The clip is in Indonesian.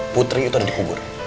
putri itu ada dikubur